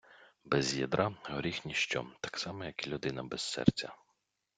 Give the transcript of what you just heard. Без ядра горіх ніщо, так само як і людина без серця.